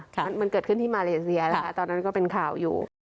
มันเกิดขึ้นที่มาเลเซียนะคะตอนนั้นก็เป็นข่าวอยู่